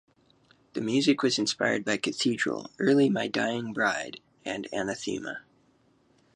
The music was inspired by Cathedral, early My Dying Bride and Anathema.